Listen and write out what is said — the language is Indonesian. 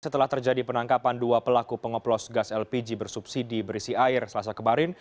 setelah terjadi penangkapan dua pelaku pengoplos gas lpg bersubsidi berisi air selasa kemarin